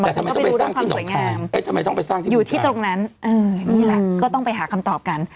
แต่ทำไมต้องไปสร้างที่หนองคามเอ๊ะทำไมต้องไปสร้างที่อยู่ที่ตรงนั้นเออนี่แหละก็ต้องไปหาคำตอบกัน